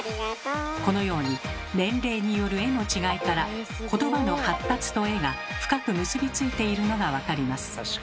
このように年齢による絵の違いからことばの発達と絵が深く結び付いているのがわかります。